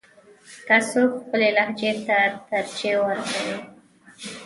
که څوک خپلې لهجې ته ترجیح ورکوي.